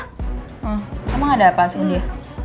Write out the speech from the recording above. hah emang ada apa sih